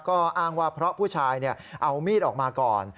ก็อ้างว่าเพราะผู้ชายเอามีดออกมาก่อน